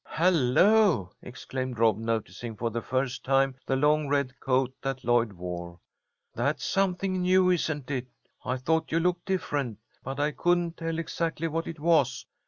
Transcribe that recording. "Hello!" exclaimed Rob, noticing for the first time the long red coat that Lloyd wore. "That's something new, isn't it? I thought you looked different, but I couldn't tell exactly what it was.